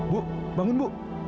bu bangun bu